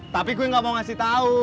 tapi gue gak mau ngasih tau